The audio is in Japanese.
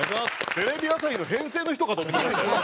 テレビ朝日の編成の人かと思いましたよ。